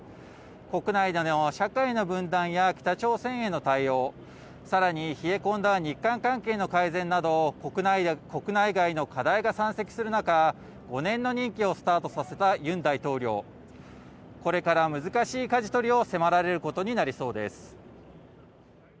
国内での社会の分断や北朝鮮への対応、さらに冷え込んだ日韓関係の改善など国内外の課題が山積する中、５年の任期をスタートさせたユン大統領、これから難しいかじ取りを迫られることになりそうです。